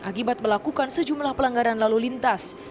akibat melakukan sejumlah pelanggaran lalu lintas